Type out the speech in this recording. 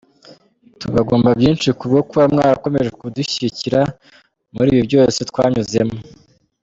Tubagomba byinshi ku bwo kuba mwarakomeje kudushyigikira muri ibi byose twanyuzemo.